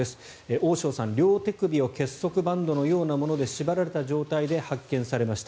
大塩さん、両手首を結束バンドのようなもので縛られた状態で発見されました。